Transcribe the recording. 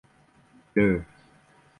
Iur.